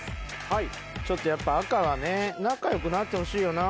はいちょっとやっぱ赤はね仲良くなってほしいよな。